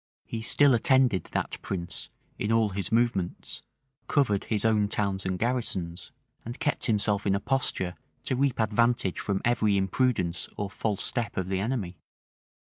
He still attended that prince in all his movements; covered his own towns and garrisons; and kept himself in a posture to reap advantage from every imprudence or false step of the enemy.